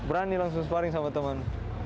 berani langsung sparing sama teman